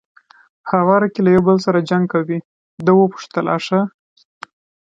په هواره کې یو له بل سره جنګ کوي، ده زه وپوښتل: آ ښه.